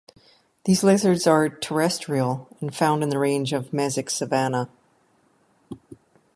These lizards are terrestrial and found in the range of mesic savannah.